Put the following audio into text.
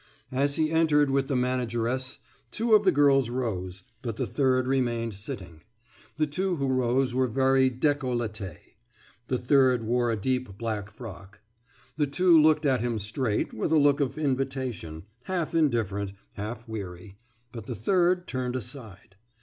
As he entered with the manageress, two of the girls rose, but the third remained sitting; the two who rose were very décolletée, the third wore a deep black frock. The two looked at him straight, with a look of invitation, half indifferent, half weary; but the third turned aside.